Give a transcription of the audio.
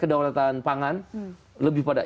kedaulatan pangan lebih pada